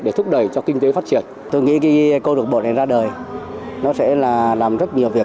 để thúc đẩy cho kinh tế phát triển tôi nghĩ công độc bộ này ra đời nó sẽ làm rất nhiều việc